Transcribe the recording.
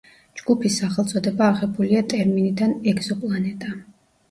ჯგუფის სახელწოდება აღებულია ტერმინიდან „ეგზოპლანეტა“.